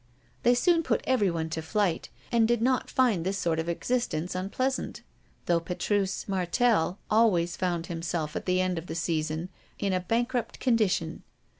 They soon put everyone to flight, and did not find this sort of existence unpleasant, though Petrus Martel always found himself at the end of the season in a bankrupt condition.